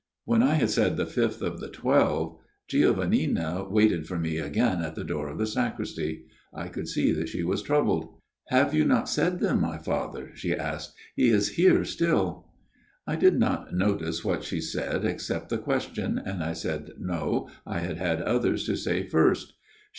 When I had said the fifth of the twelve, Giovannina waited for me again at the door of the sacristy. I could see that she was troubled. "' Have you not said them, my Father ?* she asked. * He is here still.* " I did not notice what she said, except the question, and I said No, I had had others to say first.